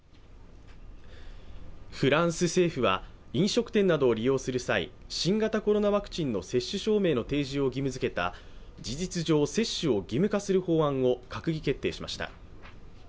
フランス政府は飲食店などを利用する際、新型コロナワクチンの接種証明の提示を義務づけた事実上、接種を義務化する法案を閣議決定しました。